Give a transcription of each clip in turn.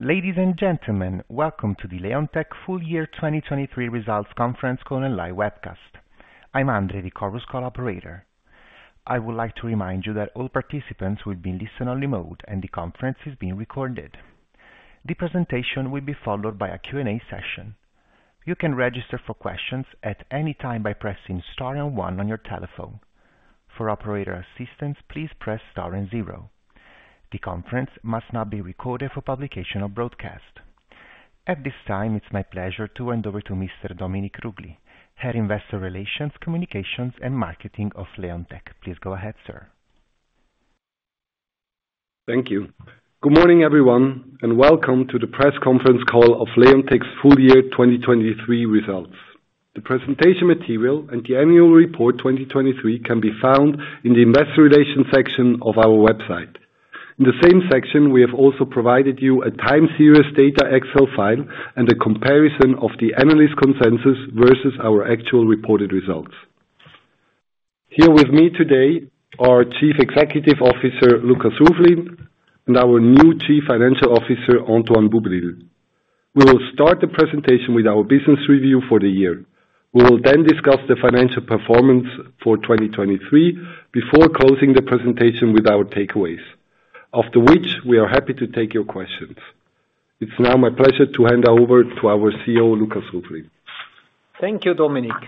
Ladies and gentlemen, welcome to the Leonteq Full Year 2023 Results Conference Call and Live Webcast. I'm Andre, the Chorus Call operator. I would like to remind you that all participants will be in listen-only mode, and the conference is being recorded. The presentation will be followed by a Q&A session. You can register for questions at any time by pressing star and one on your telephone. For operator assistance, please press star and zero. The conference must not be recorded for publication or broadcast. At this time, it's my pleasure to hand over to Mr. Dominik Ruggli, Head Investor Relations, Communications, and Marketing of Leonteq. Please go ahead, sir. Thank you. Good morning, everyone, and welcome to the press conference call of Leonteq's Full Year 2023 results. The presentation material and the annual report 2023 can be found in the Investor Relations section of our website. In the same section, we have also provided you a time series data Excel file and a comparison of the analyst consensus versus our actual reported results. Here with me today are our Chief Executive Officer, Lukas Ruflin, and our new Chief Financial Officer, Antoine Boublil. We will start the presentation with our business review for the year. We will then discuss the financial performance for 2023, before closing the presentation with our takeaways. After which, we are happy to take your questions. It's now my pleasure to hand over to our CEO, Lukas Ruflin. Thank you, Dominik.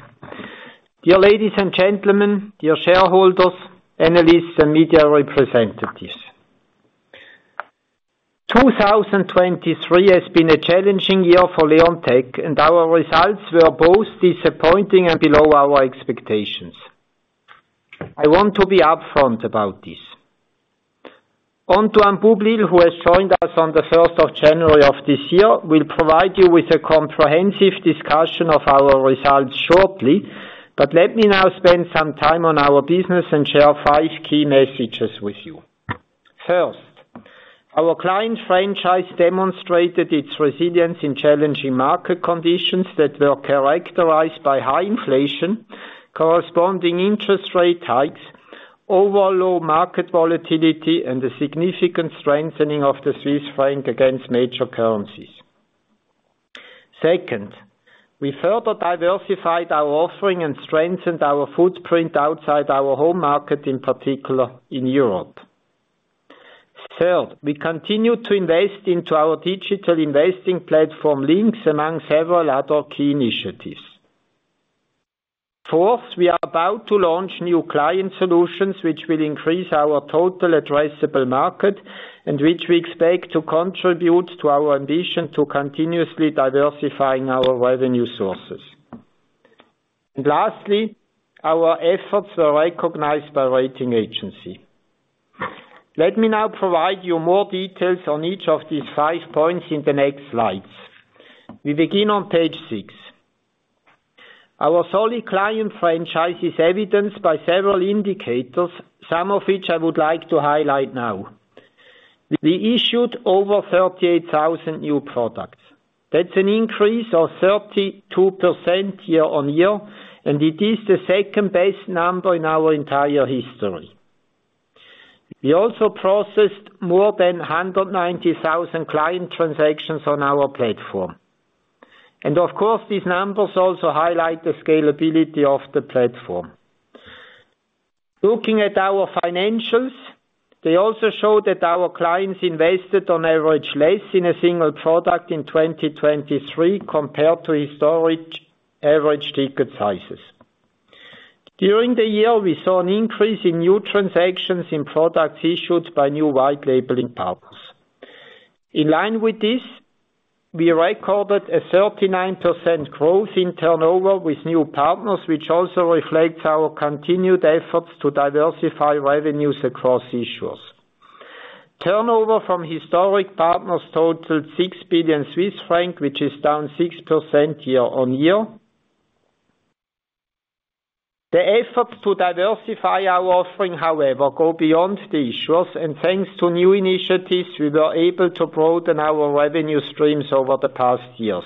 Dear ladies and gentlemen, dear shareholders, analysts, and media representatives. 2023 has been a challenging year for Leonteq, and our results were both disappointing and below our expectations. I want to be upfront about this. Antoine Boublil, who has joined us on the first of January of this year, will provide you with a comprehensive discussion of our results shortly, but let me now spend some time on our business and share five key messages with you. First, our client franchise demonstrated its resilience in challenging market conditions that were characterized by high inflation, corresponding interest rate hikes, overall low market volatility, and a significant strengthening of the Swiss franc against major currencies. Second, we further diversified our offering and strengthened our footprint outside our home market, in particular in Europe. Third, we continued to invest into our digital investing platform LYNQS, among several other key initiatives. Fourth, we are about to launch new client solutions, which will increase our total addressable market, and which we expect to contribute to our ambition to continuously diversifying our revenue sources. And lastly, our efforts were recognized by rating agency. Let me now provide you more details on each of these five points in the next slides. We begin on page six. Our solid client franchise is evidenced by several indicators, some of which I would like to highlight now. We issued over 38,000 new products. That's an increase of 32% year-on-year, and it is the second-best number in our entire history. We also processed more than 190,000 client transactions on our platform, and of course, these numbers also highlight the scalability of the platform. Looking at our financials, they also show that our clients invested on average less in a single product in 2023, compared to historic average ticket sizes. During the year, we saw an increase in new transactions in products issued by new white labeling partners. In line with this, we recorded a 39% growth in turnover with new partners, which also reflects our continued efforts to diversify revenues across issuers. Turnover from historic partners totaled 6 billion Swiss francs, which is down 6% year-on-year. The efforts to diversify our offering, however, go beyond the issuers, and thanks to new initiatives, we were able to broaden our revenue streams over the past years.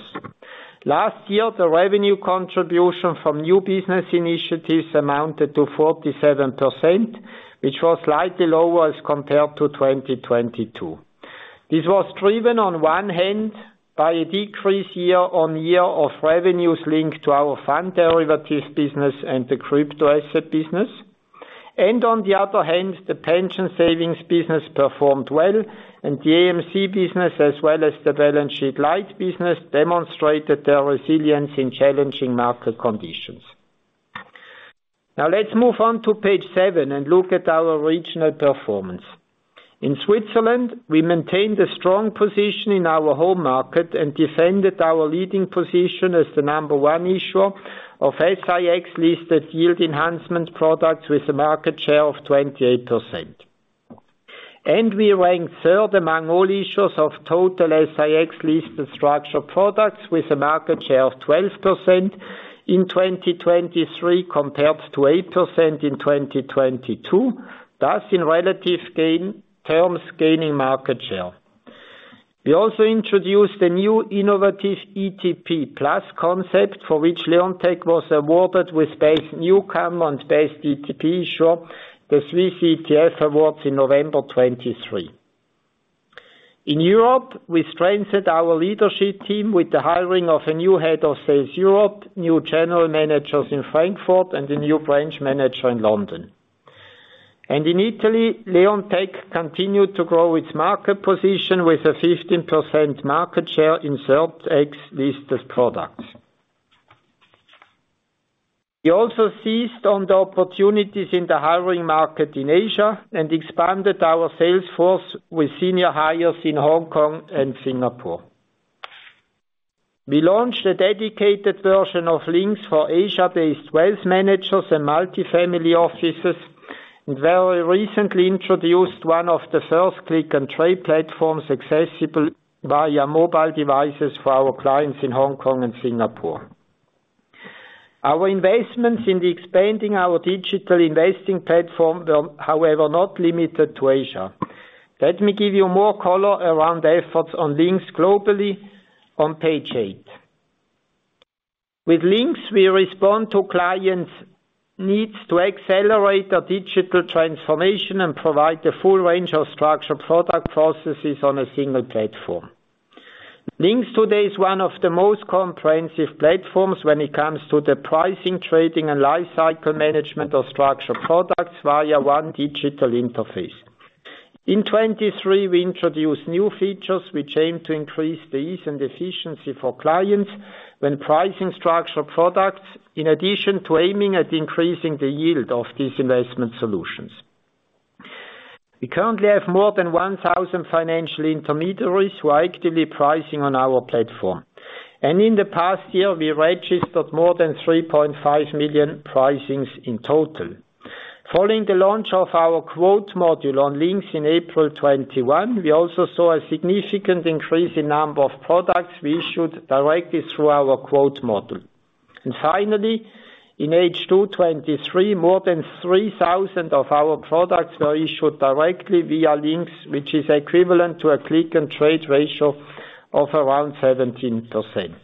Last year, the revenue contribution from new business initiatives amounted to 47%, which was slightly lower as compared to 2022. This was driven, on one hand, by a decrease year-on-year of revenues linked to our Fund Derivatives business and the Crypto Asset business, and on the other hand, the Pension Savings business performed well, and the AMC business, as well as the Balance Sheet Light business, demonstrated their resilience in challenging market conditions. Now, let's move on to page seven and look at our regional performance. In Switzerland, we maintained a strong position in our home market and defended our leading position as the number one issuer of SIX-listed yield enhancement products with a market share of 28%. We ranked third among all issuers of total SIX-listed structured products, with a market share of 12% in 2023, compared to 8% in 2022. Thus, in relative terms, gaining market share. We also introduced a new innovative ETP Plus concept, for which Leonteq was awarded with Best Newcomer and Best ETP Issuer, the Swiss ETF Awards in November 2023. In Europe, we strengthened our leadership team with the hiring of a new head of sales Europe, new general managers in Frankfurt, and a new branch manager in London. And in Italy, Leonteq continued to grow its market position with a 15% market share in SeDeX listed products. We also seized on the opportunities in the hiring market in Asia, and expanded our sales force with senior hires in Hong Kong and Singapore. We launched a dedicated version of LYNQS for Asia-based wealth managers and multifamily offices, and very recently introduced one of the first click-and-trade platforms accessible via mobile devices for our clients in Hong Kong and Singapore. Our investments in expanding our digital investing platform were, however, not limited to Asia. Let me give you more color around the efforts on LYNQS globally on page eight. With LYNQS, we respond to clients' needs to accelerate our digital transformation and provide a full range of structured product processes on a single platform. LYNQS today is one of the most comprehensive platforms when it comes to the pricing, trading, and lifecycle management of structured products via one digital interface. In 2023, we introduced new features which aim to increase the ease and efficiency for clients when pricing structured products, in addition to aiming at increasing the yield of these investment solutions. We currently have more than 1,000 financial intermediaries who are actively pricing on our platform, and in the past year, we registered more than 3.5 million pricings in total. Following the launch of our Quote module on LYNQS in April 2021, we also saw a significant increase in number of products we issued directly through our Quote module. Finally, in H2 2023, more than 3,000 of our products were issued directly via LYNQS, which is equivalent to a click-and-trade ratio of around 17%.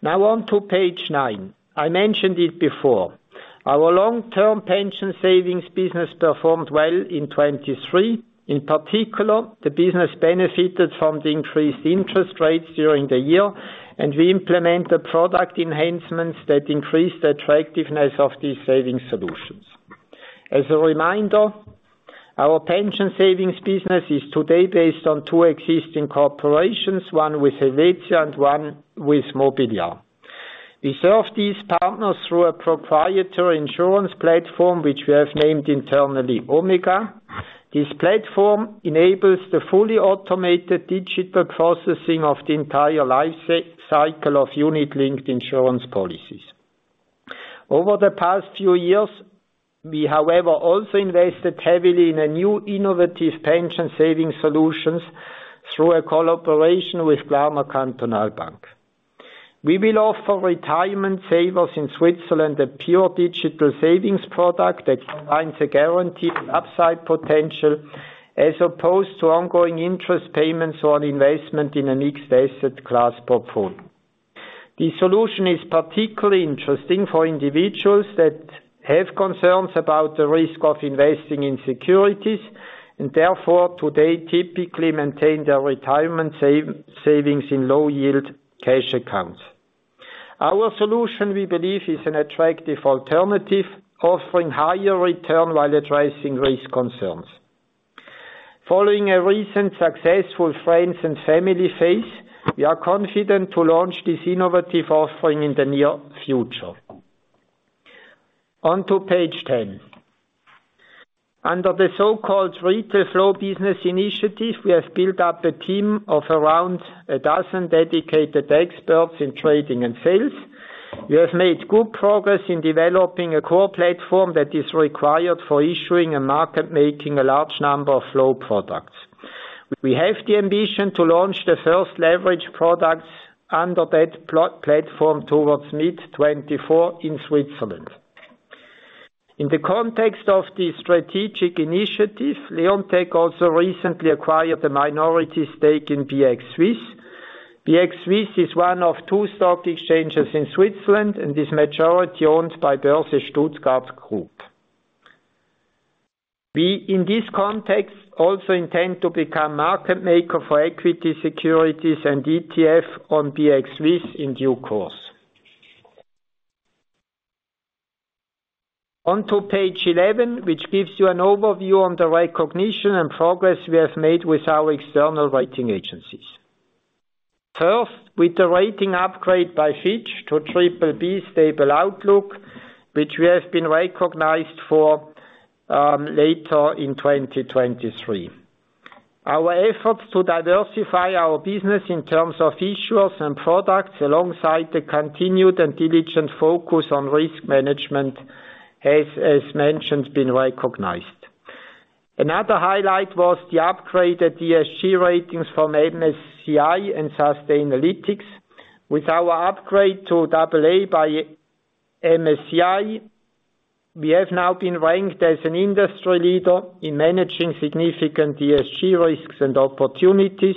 Now on to page nine. I mentioned it before, our long-term Pension Savings business performed well in 2023. In particular, the business benefited from the increased interest rates during the year, and we implemented product enhancements that increased the attractiveness of these saving solutions. As a reminder, our Pension Savings business is today based on two existing corporations, one with Helvetia and one with Mobiliar. We serve these partners through a proprietary insurance platform, which we have named internally Omega. This platform enables the fully automated digital processing of the entire life cycle of unit-linked insurance policies. Over the past few years, we, however, also invested heavily in a new innovative pension saving solutions through a collaboration with Glarner Kantonalbank. We will offer retirement savers in Switzerland a pure digital savings product that combines a guaranteed upside potential, as opposed to ongoing interest payments on investment in a mixed asset class portfolio. The solution is particularly interesting for individuals that have concerns about the risk of investing in securities, and therefore, today typically maintain their retirement savings in low-yield cash accounts. Our solution, we believe, is an attractive alternative, offering higher return while addressing risk concerns. Following a recent successful friends and family phase, we are confident to launch this innovative offering in the near future. On to page ten. Under the so-called Retail Flow Business initiative, we have built up a team of around a dozen dedicated experts in trading and sales. We have made good progress in developing a core platform that is required for issuing and market-making a large number of flow products. We have the ambition to launch the first leverage products under that platform towards mid-2024 in Switzerland. In the context of the strategic initiative, Leonteq also recently acquired a minority stake in BX Swiss. BX Swiss is one of two stock exchanges in Switzerland, and is majority-owned by Börse Stuttgart Group. We, in this context, also intend to become market maker for equity securities and ETF on BX Swiss in due course. On to page 11, which gives you an overview on the recognition and progress we have made with our external rating agencies. First, with the rating upgrade by Fitch to BBB, stable outlook, which we have been recognized for, later in 2023. Our efforts to diversify our business in terms of issuers and products, alongside the continued and diligent focus on risk management, has, as mentioned, been recognized. Another highlight was the upgraded ESG ratings from MSCI and Sustainalytics. With our upgrade to AA by MSCI, we have now been ranked as an industry leader in managing significant ESG risks and opportunities....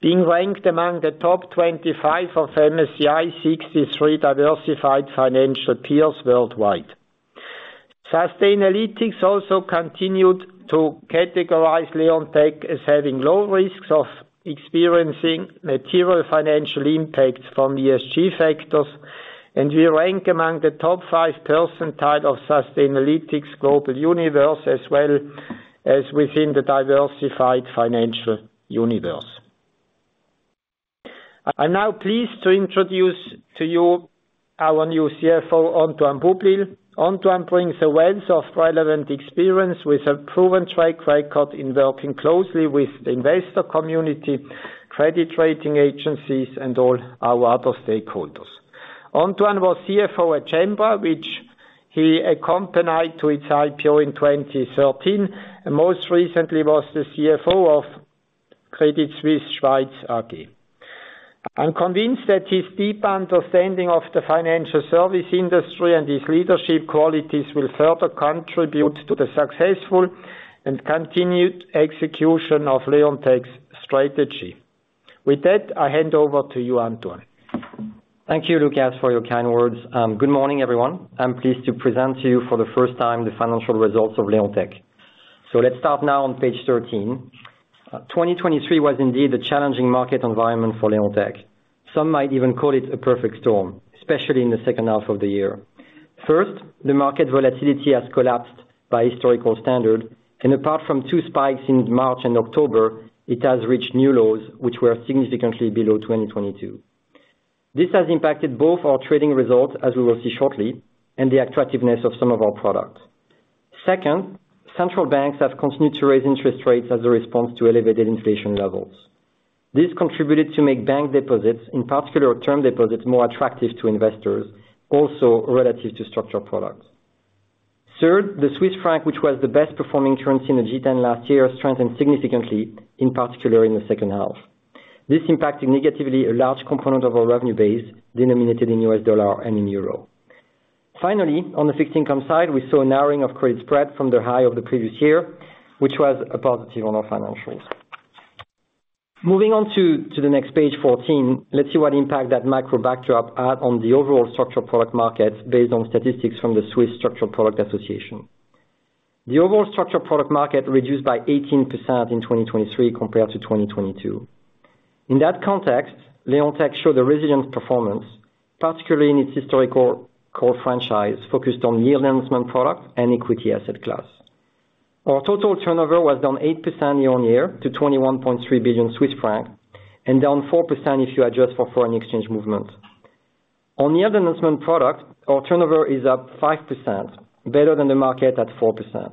being ranked among the top 25 of MSCI's 63 diversified financial peers worldwide. Sustainalytics also continued to categorize Leonteq as having low risks of experiencing material financial impacts from ESG factors, and we rank among the top 5 percentile of Sustainalytics global universe, as well as within the diversified financial universe. I'm now pleased to introduce to you our new CFO, Antoine Boublil. Antoine brings a wealth of relevant experience with a proven track record in working closely with the investor community, credit rating agencies, and all our other stakeholders. Antoine was CFO at Cembra Money Bank, which he accompanied to its IPO in 2013, and most recently was the CFO of Credit Suisse (Schweiz) AG. I'm convinced that his deep understanding of the financial service industry and his leadership qualities will further contribute to the successful and continued execution of Leonteq's strategy. With that, I hand over to you, Antoine. Thank you, Lukas, for your kind words. Good morning, everyone. I'm pleased to present to you for the first time the financial results of Leonteq. Let's start now on page 13. 2023 was indeed a challenging market environment for Leonteq. Some might even call it a perfect storm, especially in the second half of the year. First, the market volatility has collapsed by historical standard, and apart from two spikes in March and October, it has reached new lows, which were significantly below 2022. This has impacted both our trading results, as we will see shortly, and the attractiveness of some of our products. Second, central banks have continued to raise interest rates as a response to elevated inflation levels. This contributed to make bank deposits, in particular term deposits, more attractive to investors, also relative to structured products. Third, the Swiss franc, which was the best performing currency in the G10 last year, strengthened significantly, in particular in the second half. This impacted negatively a large component of our revenue base, denominated in U.S. dollar and in euro. Finally, on the fixed income side, we saw a narrowing of credit spread from the high of the previous year, which was a positive on our financials. Moving on to the next page, 14, let's see what impact that macro backdrop had on the overall structured product market, based on statistics from the Swiss Structured Products Association. The overall structured product market reduced by 18% in 2023 compared to 2022. In that context, Leonteq showed a resilient performance, particularly in its historical core franchise, focused on yield enhancement products and equity asset class. Our total turnover was down 8% year-on-year to 21.3 billion Swiss francs, and down 4% if you adjust for foreign exchange movement. On the enhancement product, our turnover is up 5%, better than the market at 4%.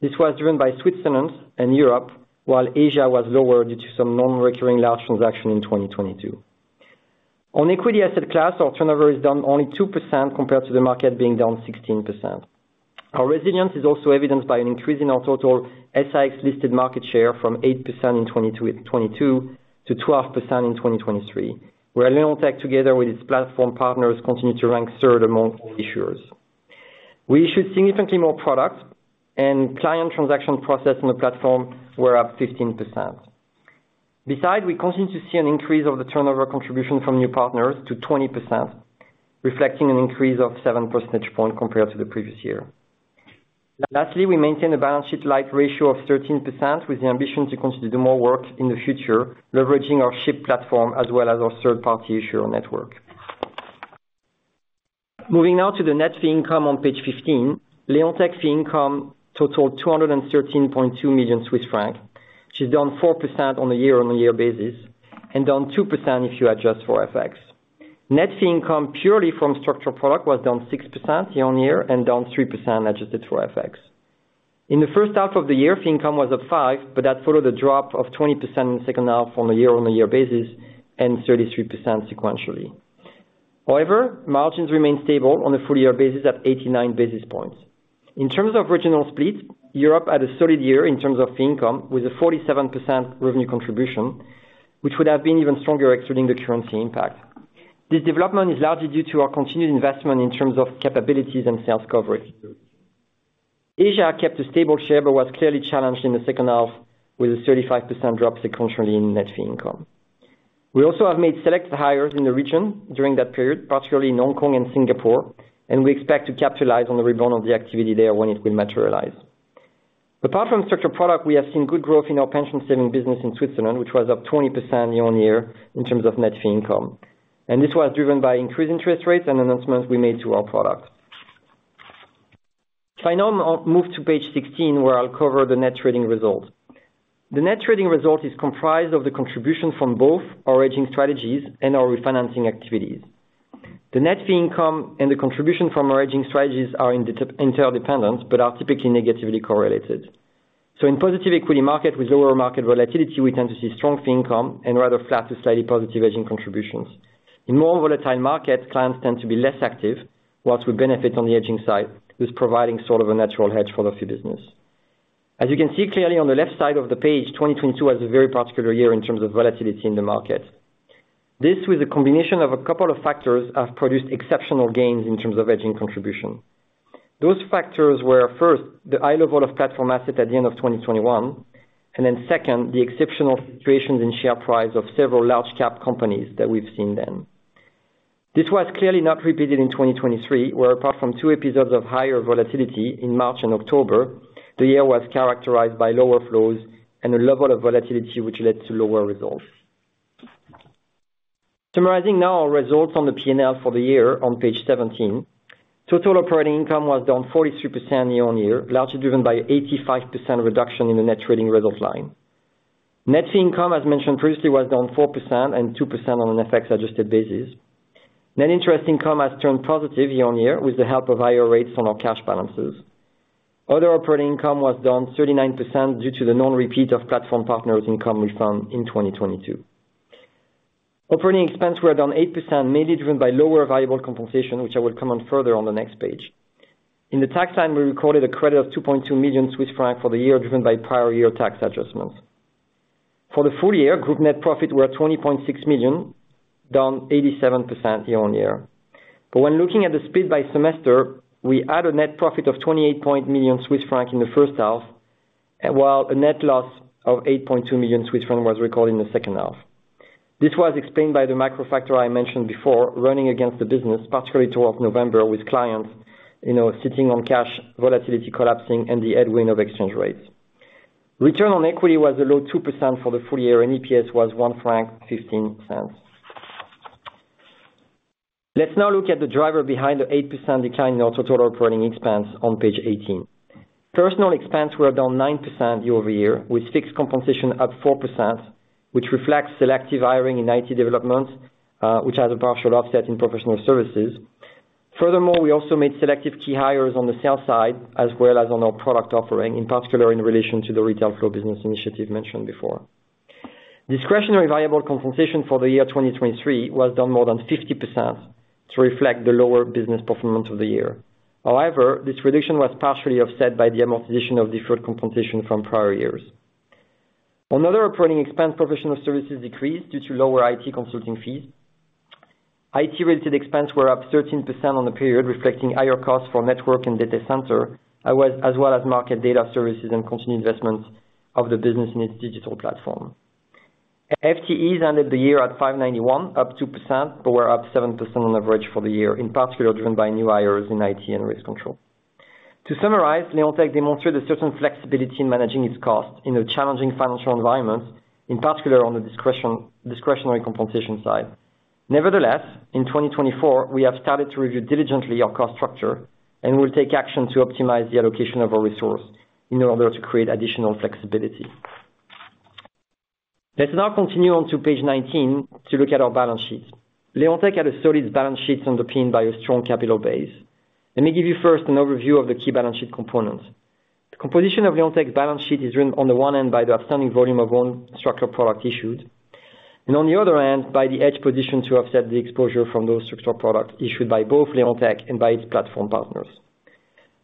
This was driven by Switzerland and Europe, while Asia was lower due to some non-recurring large transaction in 2022. On equity asset class, our turnover is down only 2% compared to the market being down 16%. Our resilience is also evidenced by an increase in our total SIX listed market share from 8% in 2022 to 12% in 2023, where Leonteq, together with its platform partners, continued to rank third among issuers. We issued significantly more products and client transaction process on the platform were up 15%. Besides, we continue to see an increase of the turnover contribution from new partners to 20%, reflecting an increase of 7 percentage points compared to the previous year. Lastly, we maintain a Balance Sheet Light ratio of 13%, with the ambition to continue to do more work in the future, leveraging our ship platform as well as our third-party issuer network. Moving now to the net fee income on page 15. Leonteq's fee income totaled 213.2 million Swiss francs. Which is down 4% on a year-on-year basis, and down 2% if you adjust for FX. Net fee income purely from structured product was down 6% year-on-year and down 3% adjusted for FX. In the first half of the year, fee income was up five, but that followed a drop of 20% in the second half on a year-on-year basis, and 33% sequentially. However, margins remained stable on a full year basis at 89 basis points. In terms of regional split, Europe had a solid year in terms of fee income, with a 47% revenue contribution, which would have been even stronger excluding the currency impact. This development is largely due to our continued investment in terms of capabilities and sales coverage. Asia kept a stable share, but was clearly challenged in the second half, with a 35% drop sequentially in net fee income. We also have made select hires in the region during that period, particularly in Hong Kong and Singapore, and we expect to capitalize on the rebound of the activity there when it will materialize. Apart from structured product, we have seen good growth in our pension saving business in Switzerland, which was up 20% year-over-year in terms of net fee income. This was driven by increased interest rates and announcements we made to our products. I now move to page 16, where I'll cover the net trading results. The net trading result is comprised of the contribution from both our hedging strategies and our refinancing activities. The net fee income and the contribution from our hedging strategies are interdependent, but are typically negatively correlated. In positive equity market with lower market volatility, we tend to see strong fee income and rather flat to slightly positive hedging contributions. In more volatile markets, clients tend to be less active, whilst we benefit on the hedging side, with providing sort of a natural hedge for the fee business. As you can see clearly on the left side of the page, 2022 has a very particular year in terms of volatility in the market. This was a combination of a couple of factors have produced exceptional gains in terms of hedging contribution. Those factors were, first, the high level of platform assets at the end of 2021, and then second, the exceptional situations in share price of several large cap companies that we've seen then. This was clearly not repeated in 2023, where apart from two episodes of higher volatility in March and October, the year was characterized by lower flows and a level of volatility which led to lower results. Summarizing now our results on the P&L for the year on page 17. Total operating income was down 43% year-on-year, largely driven by 85% reduction in the net trading result line. Net income, as mentioned previously, was down 4% and 2% on an FX adjusted basis. Net interest income has turned positive year-on-year, with the help of higher rates on our cash balances. Other operating income was down 39% due to the non-repeat of platform partners income we found in 2022. Operating expenses were down 8%, mainly driven by lower variable compensation, which I will comment further on the next page. In the tax line, we recorded a credit of 2.2 million Swiss francs for the year, driven by prior year tax adjustments. For the full year, group net profit were at 20.6 million, down 87% year-on-year. But when looking at the split by semester, we had a net profit of 28 million Swiss francs in the first half, while a net loss of 8.2 million Swiss francs was recorded in the second half. This was explained by the macro factor I mentioned before, running against the business, particularly towards November, with clients, you know, sitting on cash, volatility collapsing and the headwind of exchange rates. Return on equity was a low 2% for the full year, and EPS was 1.15 franc. Let's now look at the driver behind the 8% decline in our total operating expense on page 18. Personnel expense were down 9% year-over-year, with fixed compensation up 4%, which reflects selective hiring in IT development, which has a partial offset in professional services. Furthermore, we also made selective key hires on the sales side, as well as on our product offering, in particular in relation to the Retail Flow Business initiative mentioned before. Discretionary variable compensation for the year 2023 was down more than 50% to reflect the lower business performance of the year. However, this reduction was partially offset by the amortization of deferred compensation from prior years. On other operating expense, professional services decreased due to lower IT consulting fees. IT-related expenses were up 13% on the period, reflecting higher costs for network and data center, as well as market data services and continued investments of the business in its digital platform. FTEs ended the year at 591, up 2%, but were up 7% on average for the year, in particular, driven by new hires in IT and risk control. To summarize, Leonteq demonstrated certain flexibility in managing its costs in a challenging financial environment, in particular on the discretion- discretionary compensation side. Nevertheless, in 2024, we have started to review diligently our cost structure, and we'll take action to optimize the allocation of our resource in order to create additional flexibility. Let's now continue on to page 19 to look at our balance sheet. Leonteq had a solid balance sheet underpinned by a strong capital base. Let me give you first an overview of the key balance sheet components. The composition of Leonteq's balance sheet is driven on the one hand by the outstanding volume of own structured product issued, and on the other hand, by the hedge position to offset the exposure from those structured products issued by both Leonteq and by its platform partners.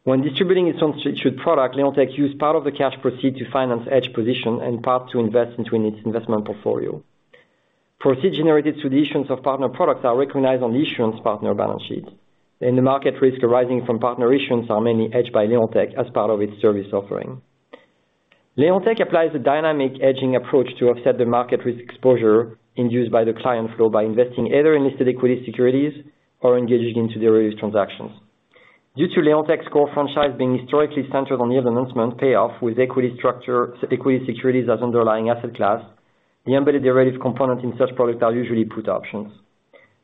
When distributing its issued product, Leonteq used part of the cash proceeds to finance hedge position and part to invest into its investment portfolio. Proceeds generated through the issuance of partner products are recognized on the issuance partner balance sheet, and the market risk arising from partner issuance are mainly hedged by Leonteq as part of its service offering. Leonteq applies a dynamic hedging approach to offset the market risk exposure induced by the client flow by investing either in listed equity securities or engaging into the various transactions. Due to Leonteq's core franchise being historically centered on the enhancement payoff with equity structure, equity securities as underlying asset class, the embedded derivative component in such products are usually put options.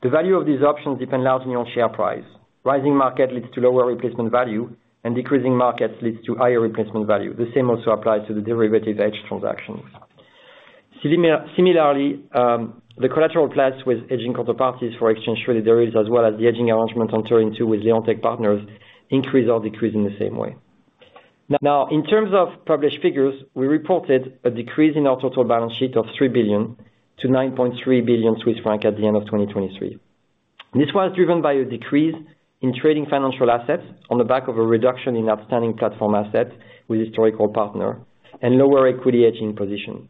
The value of these options depend largely on share price. Rising market leads to lower replacement value, and decreasing markets leads to higher replacement value. The same also applies to the derivative hedge transactions. Similarly, the collateral class with hedging counterparties for exchange traded derivatives, as well as the hedging arrangement entered into with Leonteq partners, increase or decrease in the same way. Now, in terms of published figures, we reported a decrease in our total balance sheet of 3 billion to 9.3 billion Swiss francs at the end of 2023. This was driven by a decrease in trading financial assets on the back of a reduction in outstanding platform assets with historical partner and lower equity hedging position.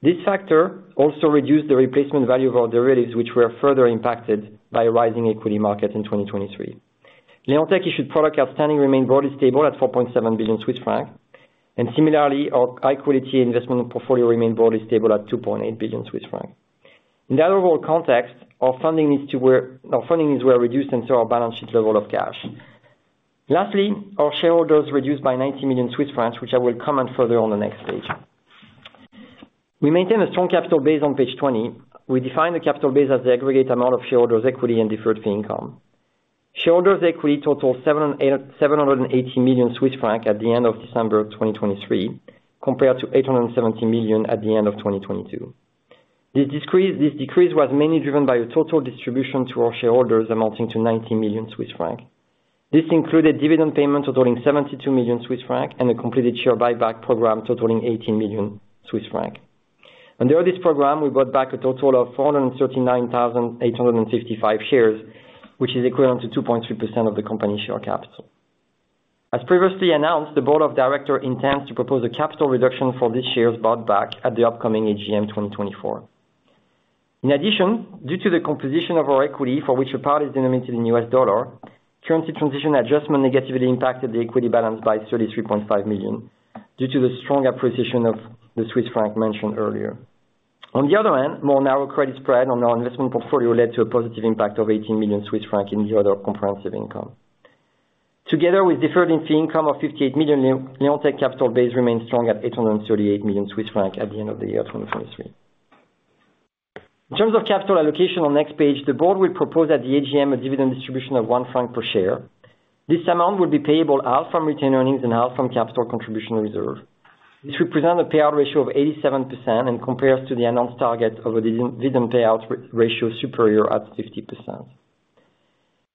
This factor also reduced the replacement value of our derivatives, which were further impacted by a rising equity market in 2023. Leonteq issued product outstanding remained broadly stable at 4.7 billion Swiss francs, and similarly, our high quality investment portfolio remained broadly stable at 2.8 billion Swiss francs. In that overall context, our funding needs were reduced into our balance sheet level of cash. Lastly, our shareholders reduced by 90 million Swiss francs, which I will comment further on the next page. We maintain a strong capital base on page 20. We define the capital base as the aggregate amount of shareholders' equity and deferred fee income. Shareholders' equity totaled 780 million Swiss francs at the end of December 2023, compared to 870 million at the end of 2022. This decrease was mainly driven by a total distribution to our shareholders, amounting to 90 million Swiss francs. This included dividend payments totaling 72 million Swiss francs and a completed share buyback program totaling 18 million Swiss francs. Under this program, we bought back a total of 439,855 shares, which is equivalent to 2.3% of the company's share capital. As previously announced, the Board of Directors intends to propose a capital reduction for this year's buyback at the upcoming AGM 2024. In addition, due to the composition of our equity, for which a part is denominated in U.S. dollar, currency translation adjustment negatively impacted the equity balance by 33.5 million, due to the strong appreciation of the Swiss franc mentioned earlier. On the other hand, more narrow credit spread on our investment portfolio led to a positive impact of 18 million Swiss francs in the other comprehensive income. Together, with deferred income of 58 million, Leonteq capital base remains strong at 838 million Swiss francs at the end of the year 2023. In terms of capital allocation on next page, the board will propose at the AGM a dividend distribution of 1 franc per share. This amount will be payable out from retained earnings and out from capital contribution reserve, which represent a payout ratio of 87% and compares to the announced target of a dividend payout ratio superior to 50%.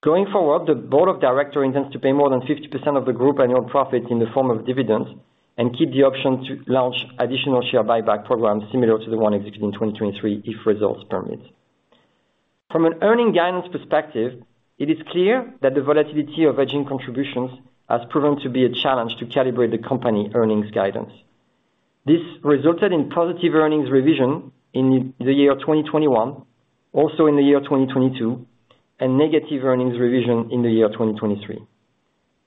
Going forward, the board of directors intends to pay more than 50% of the group annual profit in the form of dividends, and keep the option to launch additional share buyback program similar to the one executed in 2023, if results permit. From an earnings guidance perspective, it is clear that the volatility of hedging contributions has proven to be a challenge to calibrate the company earnings guidance. This resulted in positive earnings revision in the year 2021, also in the year 2022, and negative earnings revision in the year 2023.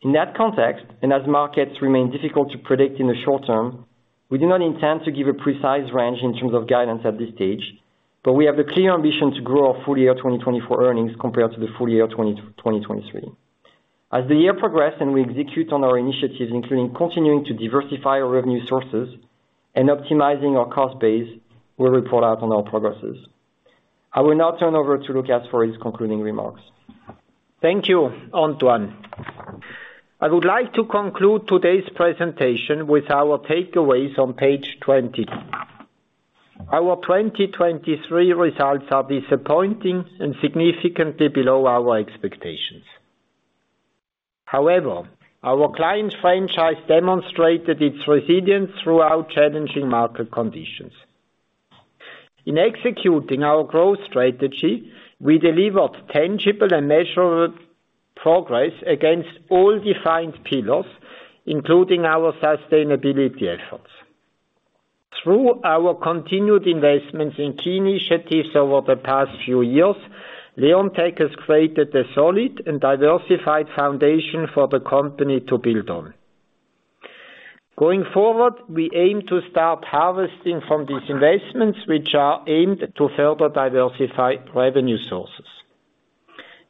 In that context, and as markets remain difficult to predict in the short term, we do not intend to give a precise range in terms of guidance at this stage, but we have a clear ambition to grow our full year 2024 earnings compared to the full year 2023. As the year progresses and we execute on our initiatives, including continuing to diversify our revenue sources and optimizing our cost base, we report out on our progress. I will now turn over to Lukas for his concluding remarks. Thank you, Antoine. I would like to conclude today's presentation with our takeaways on page 20. Our 2023 results are disappointing and significantly below our expectations. However, our client franchise demonstrated its resilience throughout challenging market conditions. In executing our growth strategy, we delivered tangible and measurable progress against all defined pillars, including our sustainability efforts. Through our continued investments in key initiatives over the past few years, Leonteq has created a solid and diversified foundation for the company to build on. Going forward, we aim to start harvesting from these investments, which are aimed to further diversify revenue sources.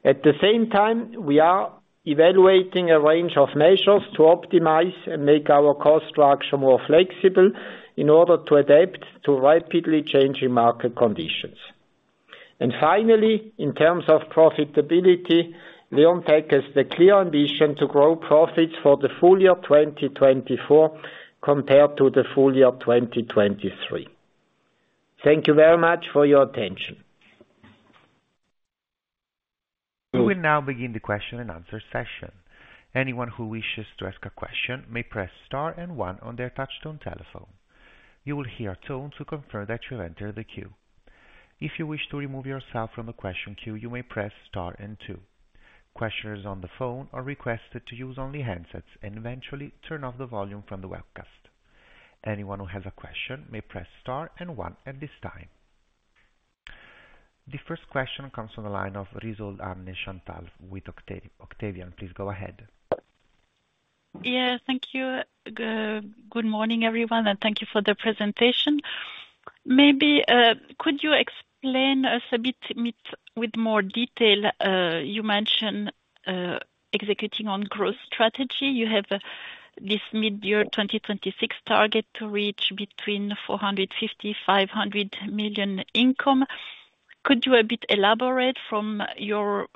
At the same time, we are evaluating a range of measures to optimize and make our cost structure more flexible in order to adapt to rapidly changing market conditions. Finally, in terms of profitability, Leonteq has the clear ambition to grow profits for the full year 2024, compared to the full year of 2023. Thank you very much for your attention. We will now begin the question and answer session. Anyone who wishes to ask a question may press star and one on their touchtone telephone. You will hear a tone to confirm that you've entered the queue. If you wish to remove yourself from the question queue, you may press star and two. Questioners on the phone are requested to use only handsets and eventually turn off the volume from the webcast. Anyone who has a question may press star and one at this time. The first question comes from the line of Risold Anne-Chantal with Octavian. Please go ahead. Yeah, thank you. Good morning, everyone, and thank you for the presentation. Maybe, could you explain us a bit, with more detail, you mentioned, executing on growth strategy. You have this mid-year 2026 target to reach between 450-500 million income. Could you a bit elaborate from your,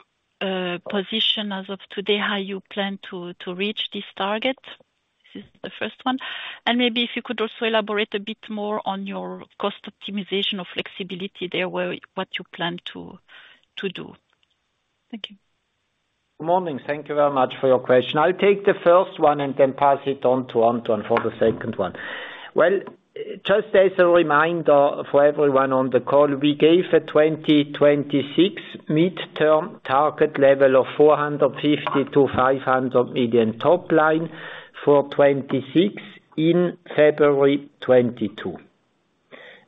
position as of today, how you plan to reach this target? This is the first one. And maybe if you could also elaborate a bit more on your cost optimization or flexibility there, where, what you plan to do. Thank you. Good morning. Thank you very much for your question. I'll take the first one and then pass it on to Antoine for the second one. Well, just as a reminder for everyone on the call, we gave a 2026 midterm target level of 450-500 million top line for 2026 in February 2022.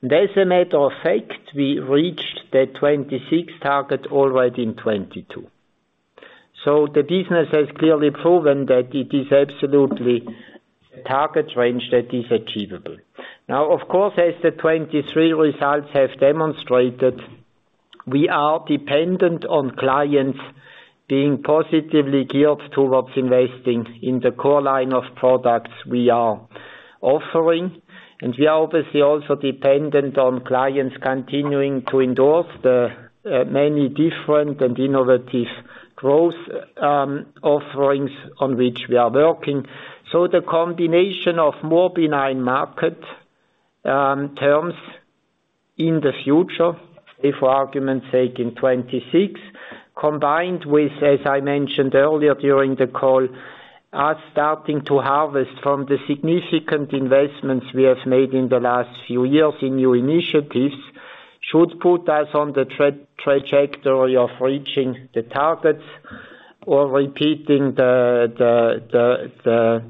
As a matter of fact, we reached the 2026 target already in 2022. So the business has clearly proven that it is absolutely a target range that is achievable. Now, of course, as the 2023 results have demonstrated, we are dependent on clients being positively geared towards investing in the core line of products we are offering, and we are obviously also dependent on clients continuing to endorse the many different and innovative growth offerings on which we are working. So the combination of more benign market terms in the future, if argument say in 2026, combined with, as I mentioned earlier during the call, are starting to harvest from the significant investments we have made in the last few years in new initiatives should put us on the trajectory of reaching the targets or repeating the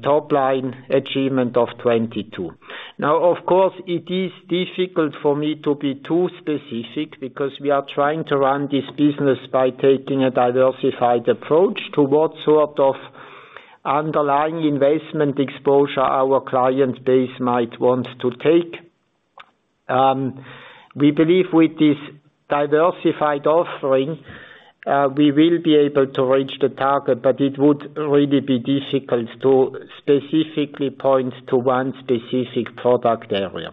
top line achievement of 2022. Now, of course, it is difficult for me to be too specific because we are trying to run this business by taking a diversified approach to what sort of underlying investment exposure our client base might want to take. We believe with this diversified offering, we will be able to reach the target, but it would really be difficult to specifically point to one specific product area.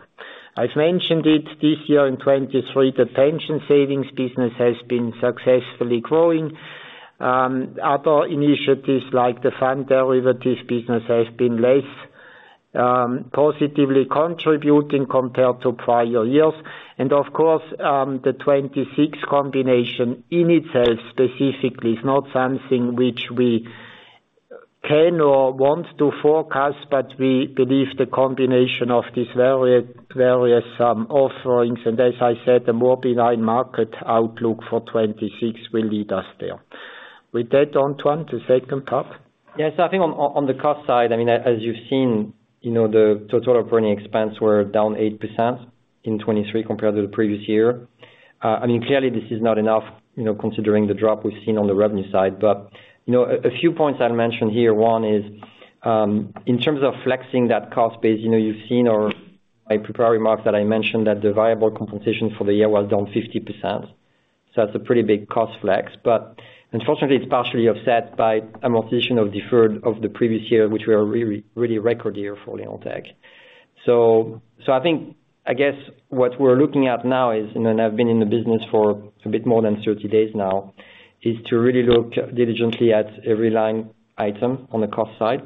I've mentioned it, this year in 2023, the Pension Savings business has been successfully growing. Other initiatives like the fund derivatives business has been less positively contributing compared to prior years. And of course, the 2026 combination in itself specifically is not something which we can or want to forecast, but we believe the combination of these various, various offerings, and as I said, the more benign market outlook for 2026 will lead us there. With that, Antoine, the second part? Yes, I think on, on the cost side, I mean, as you've seen, you know, the total operating expenses were down 8% in 2023 compared to the previous year. I mean, clearly this is not enough, you know, considering the drop we've seen on the revenue side. But, you know, a few points I'll mention here. One is, in terms of flexing that cost base, you know, you've seen or my prepared remarks that I mentioned that the variable compensation for the year was down 50%. So that's a pretty big cost flex. But unfortunately, it's partially offset by amortization of deferred of the previous year, which we are really, really record year for Leonteq. So, I think, I guess what we're looking at now is, and I've been in the business for a bit more than 30 days now, is to really look diligently at every line item on the cost side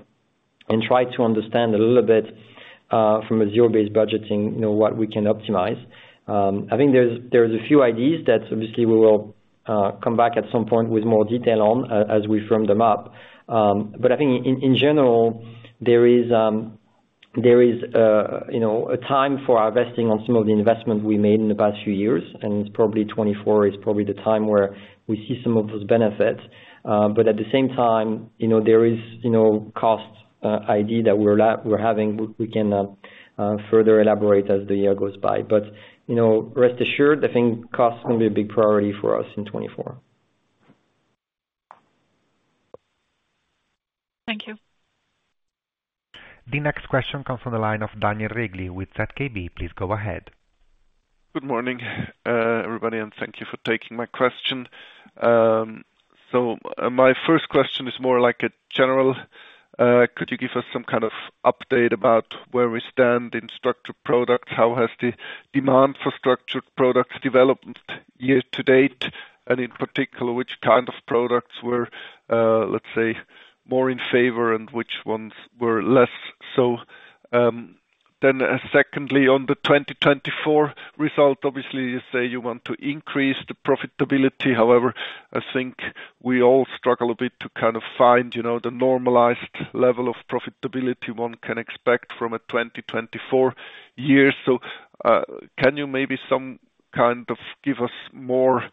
and try to understand a little bit from a zero-based budgeting, you know, what we can optimize. I think there's a few ideas that obviously we will come back at some point with more detail on as we firm them up. But I think in general, there is, you know, a time for our vesting on some of the investments we made in the past few years, and it's probably 2024 is probably the time where we see some of those benefits. But at the same time, you know, there is, you know, cost idea that we're having, we can further elaborate as the year goes by. But, you know, rest assured, I think cost will be a big priority for us in 2024. Thank you. The next question comes from the line of Daniel Regli with ZKB. Please go ahead. Good morning, everybody, and thank you for taking my question. So my first question is more like a general. Could you give us some kind of update about where we stand in structured products? How has the demand for structured products developed year to date, and in particular, which kind of products were, let's say, more in favor and which ones were less so? Then secondly, on the 2024 result, obviously, you say you want to increase the profitability. However, I think we all struggle a bit to kind of find, you know, the normalized level of profitability one can expect from a 2024 year. So, can you maybe some kind of give us more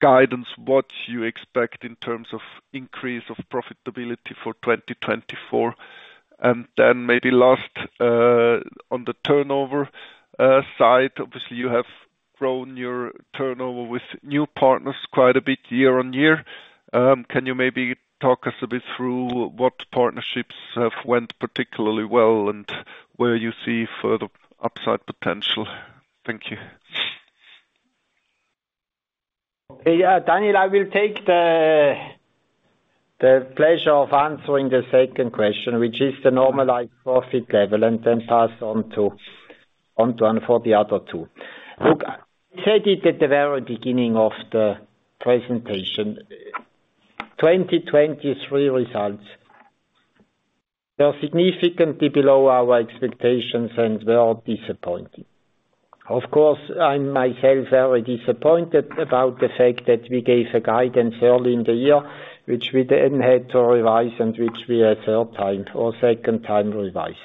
guidance, what you expect in terms of increase of profitability for 2024? And then maybe last, on the turnover side, obviously, you have grown your turnover with new partners quite a bit year-on-year. Can you maybe talk us a bit through what partnerships have went particularly well and where you see further upside potential? Thank you. Yeah, Daniel, I will take the pleasure of answering the second question, which is the normalized profit level, and then pass on to Antoine for the other two. Look, I said it at the very beginning of the presentation. 2023 results are significantly below our expectations, and we are disappointed. Of course, I'm myself very disappointed about the fact that we gave a guidance early in the year, which we then had to revise and which we a third time or second time revised.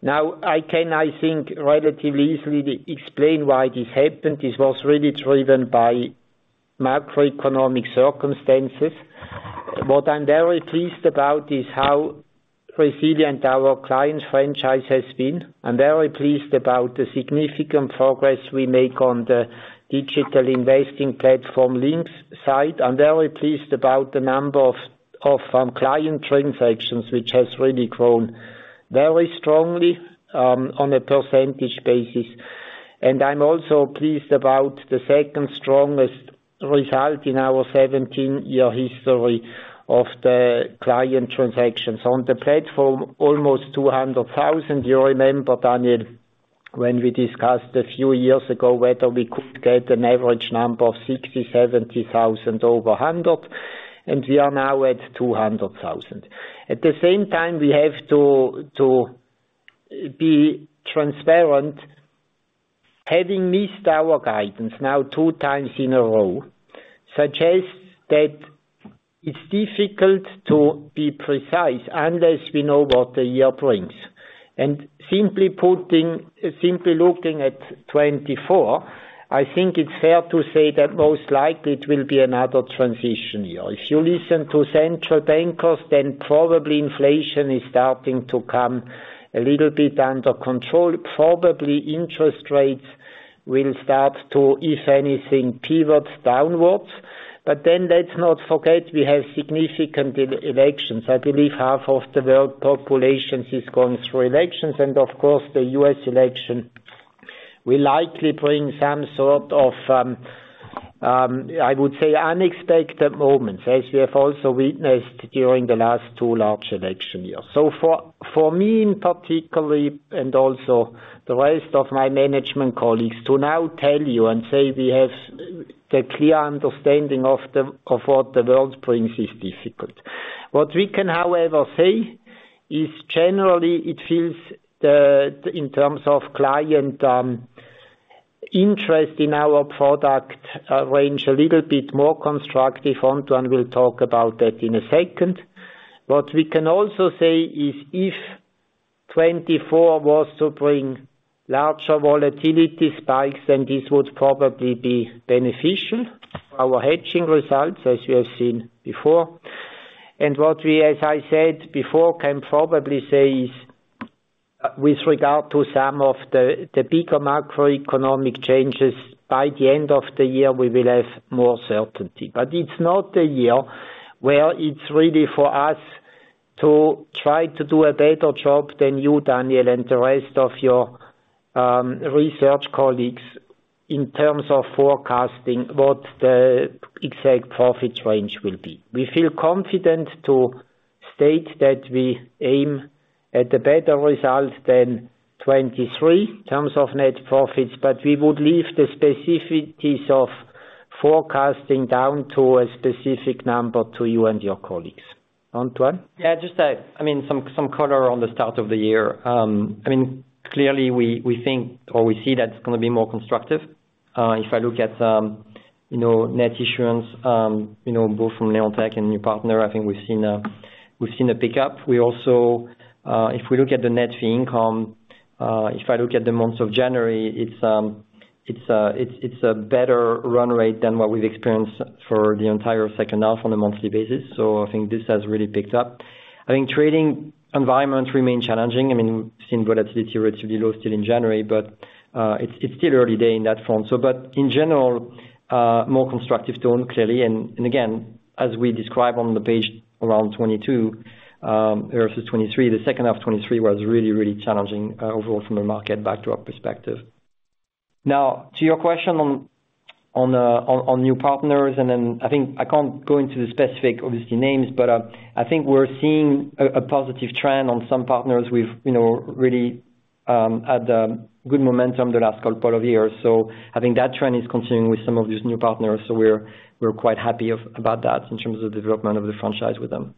Now, I can, I think, relatively easily explain why this happened. This was really driven by macroeconomic circumstances. What I'm very pleased about is how resilient our client franchise has been. I'm very pleased about the significant progress we make on the digital investing platform LYNQS. I'm very pleased about the number of client transactions, which has really grown very strongly on a percentage basis. And I'm also pleased about the second strongest result in our 17-year history of the client transactions. On the platform, almost 200,000. You remember, Daniel, when we discussed a few years ago whether we could get an average number of 60, 70 thousand over a hundred, and we are now at 200,000. At the same time, we have to be transparent. Having missed our guidance now two times in a row suggests that it's difficult to be precise unless we know what the year brings. Simply looking at 2024, I think it's fair to say that most likely it will be another transition year. If you listen to central bankers, then probably inflation is starting to come a little bit under control. Probably interest rates will start to, if anything, pivot downwards. But then let's not forget, we have significant elections. I believe half of the world population is going through elections, and of course, the U.S. election will likely bring some sort of, I would say, unexpected moments, as we have also witnessed during the last two large election years. So for me, in particular, and also the rest of my management colleagues, to now tell you and say we have the clear understanding of what the world brings is difficult. What we can, however, say is generally it feels in terms of client interest in our product range a little bit more constructive. Antoine will talk about that in a second. What we can also say is, if 2024 was to bring larger volatility spikes, then this would probably be beneficial. Our hedging results, as you have seen before, and what we, as I said before, can probably say is, with regard to some of the bigger macroeconomic changes, by the end of the year, we will have more certainty. But it's not a year where it's really for us to try to do a better job than you, Daniel, and the rest of your research colleagues, in terms of forecasting what the exact profits range will be. We feel confident to state that we aim at a better result than 2023 in terms of net profits, but we would leave the specificities of forecasting down to a specific number to you and your colleagues. Antoine? Yeah, just that, I mean, some color on the start of the year. I mean, clearly, we think or we see that it's gonna be more constructive. If I look at, you know, net issuance, you know, both from Leonteq and new partner, I think we've seen a, we've seen a pickup. We also, if we look at the net fee income, if I look at the months of January, it's a better run rate than what we've experienced for the entire second half on a monthly basis. So I think this has really picked up. I think trading environments remain challenging. I mean, we've seen volatility relatively low still in January, but, it's still early days in that front. So, but in general, more constructive tone, clearly, and again, as we describe on the page around 2022 versus 2023, the second half of 2023 was really, really challenging overall from the market back to our perspective. Now, to your question on new partners, and then I think I can't go into the specific, obviously, names, but I think we're seeing a positive trend on some partners. We've, you know, really had good momentum the last couple of years. So I think that trend is continuing with some of these new partners, so we're quite happy about that in terms of the development of the franchise with them.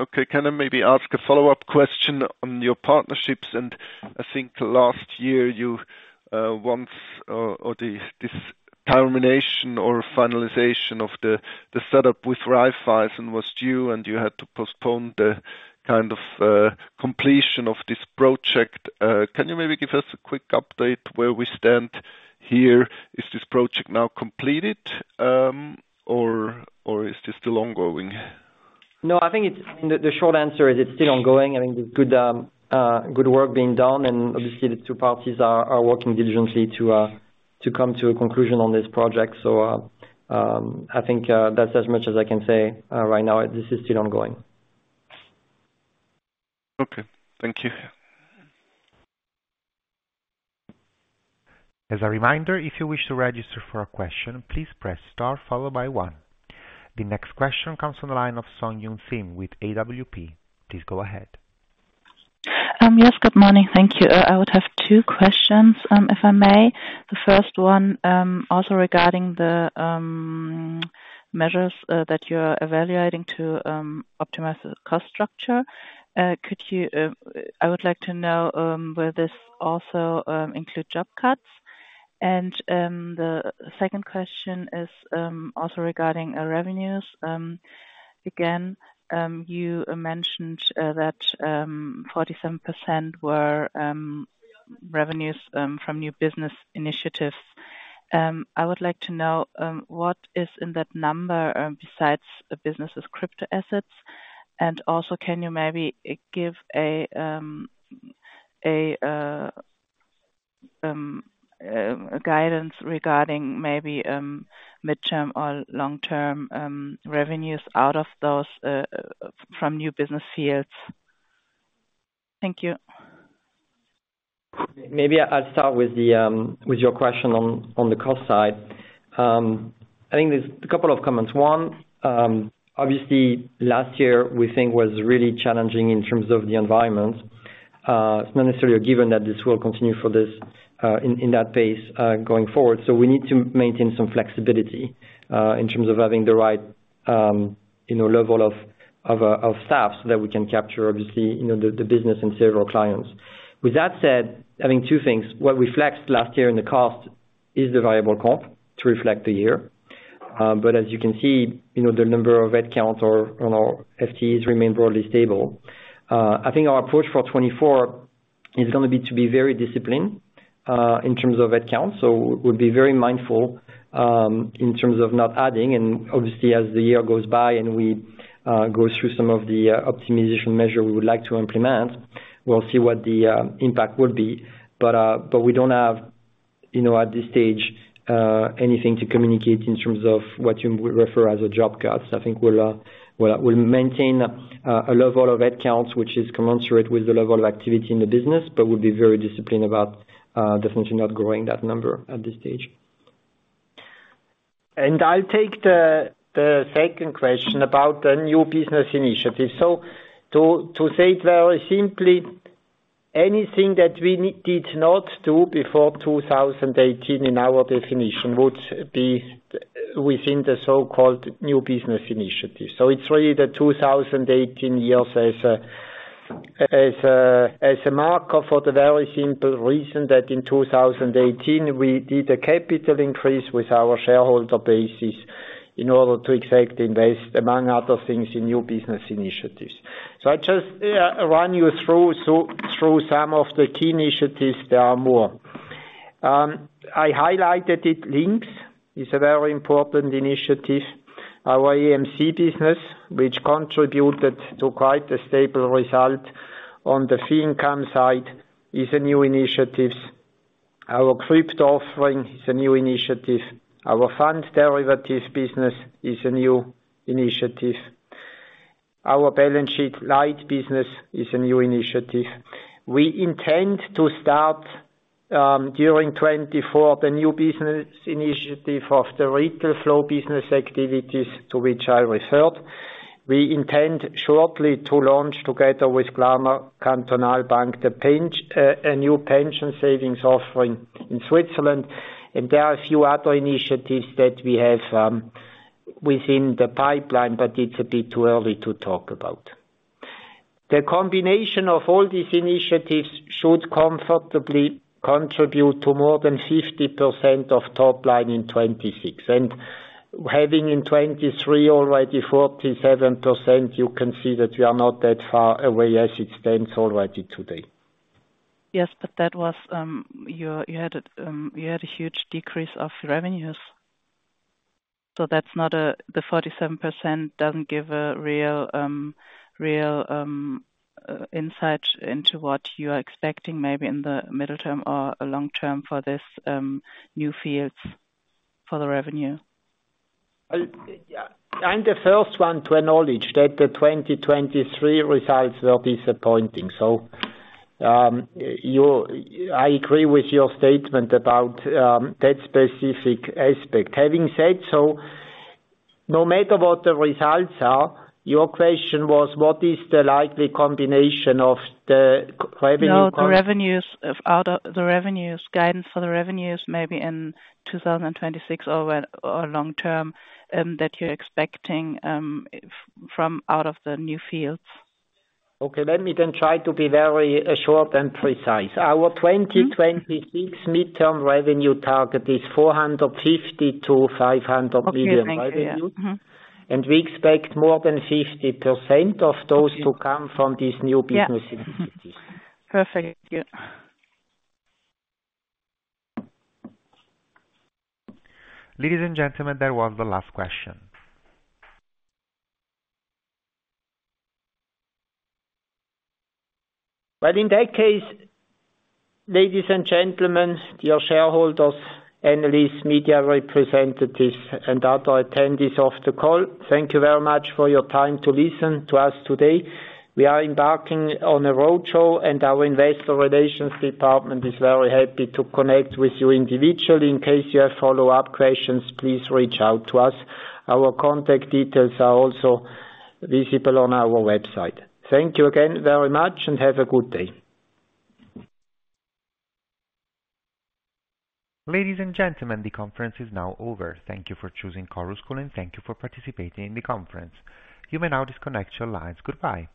Okay, can I maybe ask a follow-up question on your partnerships? And I think last year you or this termination or finalization of the setup with Raiffeisen was due, and you had to postpone the kind of completion of this project. Can you maybe give us a quick update where we stand here? Is this project now completed, or is this still ongoing? No, I think it's the short answer is it's still ongoing. I think there's good work being done, and obviously, the two parties are working diligently to come to a conclusion on this project. So, I think that's as much as I can say right now. This is still ongoing. Okay, thank you. As a reminder, if you wish to register for a question, please press star followed by one. The next question comes from the line of Song Young-Sim with AWP. Please go ahead. Yes, good morning. Thank you. I would have two questions, if I may. The first one, also regarding the measures that you are evaluating to optimize the cost structure. Could you, I would like to know, will this also include job cuts? And, the second question is, also regarding our revenues. Again, you mentioned that 47% were revenues from new business initiatives. I would like to know, what is in that number, besides the business' Crypto Assets, and also, can you maybe give a guidance regarding maybe midterm or long-term revenues out of those from new business fields? Thank you. Maybe I'll start with the, with your question on, on the cost side. I think there's a couple of comments. One, obviously, last year we think was really challenging in terms of the environment. It's not necessarily a given that this will continue for this, in, in that pace, going forward. So we need to maintain some flexibility, in terms of having the right, you know, level of, of, of staff, so that we can capture obviously, you know, the, the business and several clients. With that said, I think two things: What we flexed last year in the cost is the variable comp to reflect the year.... But as you can see, you know, the number of head counts or, on our FTEs remain broadly stable. I think our approach for 2024 is gonna be to be very disciplined, in terms of head count. So we'll be very mindful, in terms of not adding, and obviously, as the year goes by and we go through some of the optimization measure we would like to implement, we'll see what the impact would be. But, but we don't have, you know, at this stage, anything to communicate in terms of what you would refer as a job cuts. I think we'll, we'll, we'll maintain, a level of head counts, which is commensurate with the level of activity in the business, but we'll be very disciplined about, definitely not growing that number at this stage. I'll take the second question about the new business initiative. So to say it very simply, anything that we did not do before 2018, in our definition, would be within the so-called new business initiative. So it's really the 2018 years as a marker for the very simple reason that in 2018, we did a capital increase with our shareholder bases in order to exact invest, among other things, in new business initiatives. So I'll just run you through some of the key initiatives, there are more. I highlighted it, LYNQS, is a very important initiative. Our AMC business, which contributed to quite a stable result on the fee income side, is a new initiatives. Our crypto offering is a new initiative. Our Fund Derivatives business is a new initiative. Our Balance Sheet Light business is a new initiative. We intend to start during 2024 the new business initiative of the Retail Flow Business activities, to which I referred. We intend shortly to launch, together with Glarner Kantonalbank, a new pension savings offering in Switzerland, and there are a few other initiatives that we have within the pipeline, but it's a bit too early to talk about. The combination of all these initiatives should comfortably contribute to more than 50% of top line in 2026, and having in 2023 already 47%, you can see that we are not that far away as it stands already today. Yes, but that was. You had a huge decrease of revenues. So that's not a. The 47% doesn't give a real insight into what you are expecting, maybe in the mid-term or long-term for this new fields for the revenue. Yeah, I'm the first one to acknowledge that the 2023 results were disappointing. So, you—I agree with your statement about that specific aspect. Having said so, no matter what the results are, your question was: What is the likely combination of the.. No, the revenues out of the revenues, guidance for the revenues, maybe in 2026 or when, or long term, that you're expecting from out of the new fields. Okay, let me then try to be very, short and precise. Mm-hmm. Our 2026 midterm revenue target is 450 million-500 million revenue. Okay, thank you. Mm-hmm. We expect more than 50% of those to come from these new business initiatives. Yeah. Perfect. Yeah. Ladies and gentlemen, that was the last question. Well, in that case, ladies and gentlemen, dear shareholders, analysts, media representatives, and other attendees of the call, thank you very much for your time to listen to us today. We are embarking on a roadshow, and our investor relations department is very happy to connect with you individually. In case you have follow-up questions, please reach out to us. Our contact details are also visible on our website. Thank you again very much, and have a good day. Ladies and gentlemen, the conference is now over. Thank you for choosing Chorus Call, and thank you for participating in the conference. You may now disconnect your lines. Goodbye.